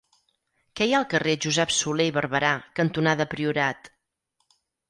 Què hi ha al carrer Josep Solé i Barberà cantonada Priorat?